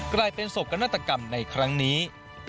กลายเป็นโศกนาฏกรรมในครั้งนี้